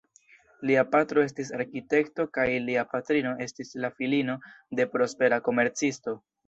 Lia patro estis arkitekto kaj lia patrino estis la filino de prospera komercisto.